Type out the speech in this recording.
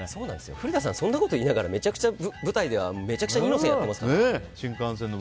古田さん、そんなこと言いながら舞台ではめちゃくちゃ二の線やってます。